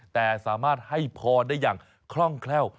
แต่สามารถให้พรได้อย่างคล่องแคล่ว